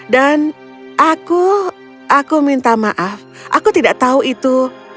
dan aku aku minta maaf aku tidak tahu itu